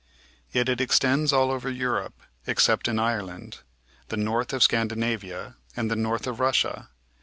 Yet it extends all over Europe, except in Ireland, the north of Scandinavia, and the north of Russia.